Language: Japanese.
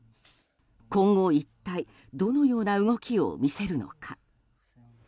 今後、一体どのような動きを見せるのか。